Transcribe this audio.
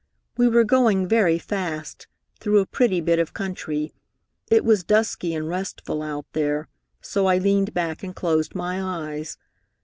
"We were going very fast, through a pretty bit of country. It was dusky and restful out there, so I leaned back and closed my eyes.